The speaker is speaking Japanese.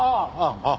ああ！